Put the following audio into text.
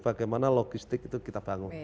bagaimana logistik itu kita bangun